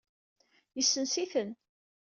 Yesens-iten.